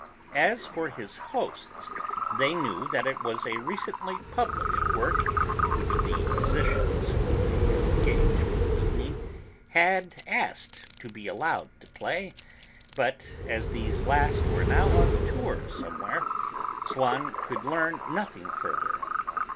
As for his hosts, they knew that it was a recently published work which the musicians whom they had engaged for the evening had asked to be allowed to play; but, as these last were now on tour somewhere, Swann could learn nothing further.